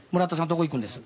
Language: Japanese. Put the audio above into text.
どこ行くんです？